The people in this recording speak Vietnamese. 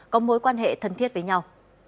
có mối quan hệ thân thiết với nhau